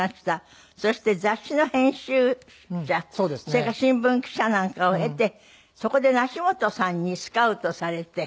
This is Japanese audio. それから新聞記者なんかを経てそこで梨元さんにスカウトされて。